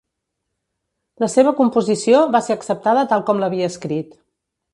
La seva composició va ser acceptada tal com l'havia escrit.